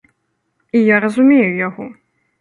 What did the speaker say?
І я разумею яго.